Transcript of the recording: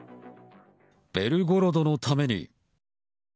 「ベルゴロドのために」。